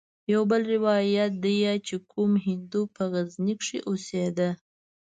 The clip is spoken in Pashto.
يو بل روايت ديه چې کوم هندو په غزني کښې اوسېده.